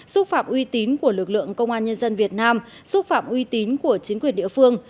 xúc phạm uy tín của lực lượng công an nhân dân việt nam xúc phạm uy tín của chính quyền địa phương